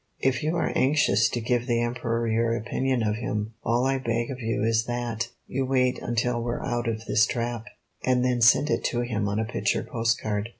If you are anxious to give the Emperor your opinion of him, all I beg of you is that you wait until we're out of this trap, and then send it to him on a picture post card.